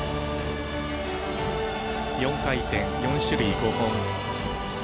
４回転、４種類、５本。